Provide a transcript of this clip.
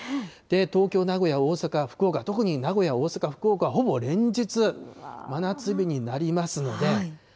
東京、名古屋、大阪、福岡、特に名古屋、大阪、福岡はほぼ連日、真夏日になりますので。